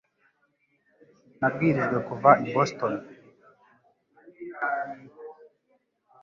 Nabwirijwe kuva i Boston